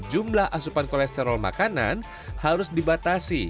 jumlah asupan kolesterol makanan harus dibatasi